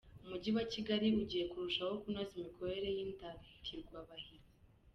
Umujyi wa Kigali ugiye kurushaho kunoza imikorere y’indatirwabahizi